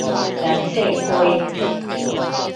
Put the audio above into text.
南勢溪